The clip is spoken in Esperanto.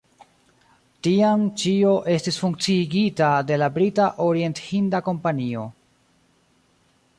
Tiam ĉio estis funkciigita de la Brita Orienthinda Kompanio.